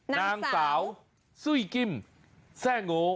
นางสาวซุ้ยกิ้มแซ่โง